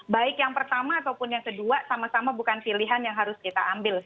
baik yang pertama ataupun yang kedua sama sama bukan pilihan yang harus kita ambil